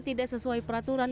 tidak sesuai peraturan